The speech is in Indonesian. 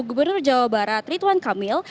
gubernur jawa barat rituan kamil